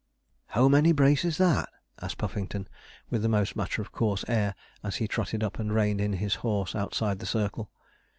'How many brace is that?' asked Puffington, with the most matter of course air, as he trotted up, and reined in his horse outside the circle.